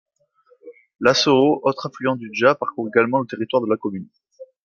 La So'o, autre affluent du Dja parcourt également le territoire de la commune.